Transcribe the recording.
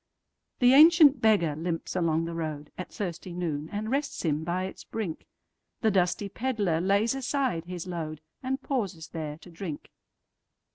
The ancient beggar limps along the roadAt thirsty noon, and rests him by its brink; The dusty pedlar lays aside his load, And pauses there to drink.